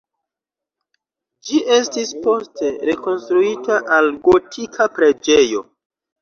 Ĝi estis poste rekonstruita al gotika preĝejo.